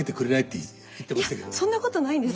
いやそんなことないんです。